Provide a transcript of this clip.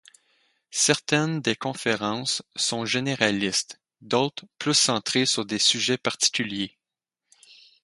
Certaines des conférences sont généralistes, d'autres plus centrées sur des sujets particuliers.